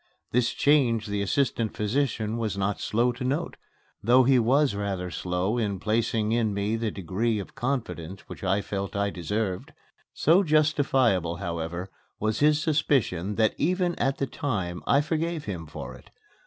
This change the assistant physician was not slow to note, though he was rather slow in placing in me the degree of confidence which I felt I deserved. So justifiable, however, was his suspicion that even at the time I forgave him for it.